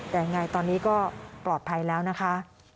แต่ยังไงตอนนี้ก็ปลอดภัยแล้วนะคะ